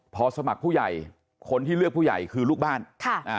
พอสมัครผู้ใหญ่คนที่เลือกผู้ใหญ่คือลูกบ้านค่ะอ่า